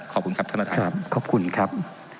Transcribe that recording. ขอบคุณครับท่านประธานครับขอบคุณครับ